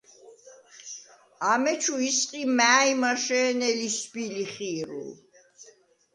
ამეჩუ ისყი მა̄̈ჲმაშე̄ნე ლისვბი-ლიხი̄რულ.